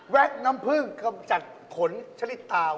แว๊กน้ำผึ้งคำจัดขนชฤษณีตาม